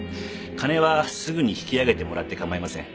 金はすぐに引き揚げてもらって構いません。